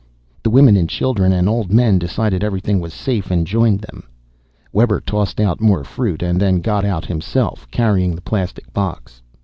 The women and children and old men decided everything was safe and joined them. Webber tossed out more fruit, and then got out himself, carrying the plastic box.